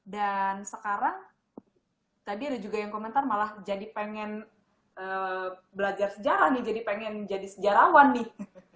dan sekarang tadi ada juga yang komentar malah jadi pengen belajar sejarah nih jadi pengen jadi sejarawan nih